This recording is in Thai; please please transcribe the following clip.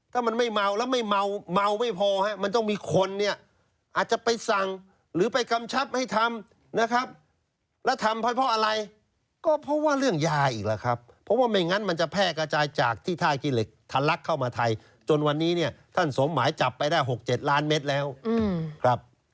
ถ้ามันไม่เมาแล้วไม่เมาเมาไม่พอมันต้องมีคนเนี่ยอาจจะไปสั่งหรือไปกำชับให้ทำนะครับ